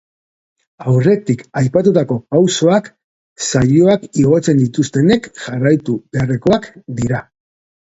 Aurretik aipatutako pausoak, saioak igotzen dituztenek jarraitu beharrekoak dira.